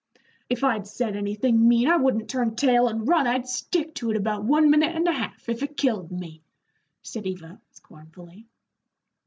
"If I'd said anything mean, I wouldn't turn tail an' run, I'd stick to it about one minute and a half, if it killed me," said Eva, scornfully.